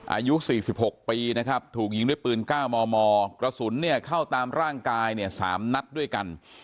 อายุ๔๖ปีนะครับถูกยิงด้วยปืน๙มมกระสุนเนี่ยเข้าตามร่างกายเนี่ย๓นัดด้วยกัน